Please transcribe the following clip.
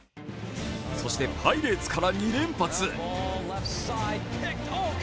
そして、パイレーツから２連発。